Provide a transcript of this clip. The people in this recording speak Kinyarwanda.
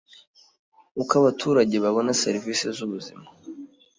uko abaturage babona serivisi z ubuzima